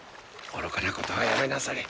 愚かなことはやめなされ。